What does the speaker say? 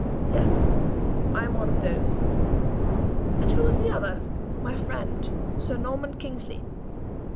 "Yes. I am one of those." "And who was the other?" "My friend, Sir Norman Kingsley.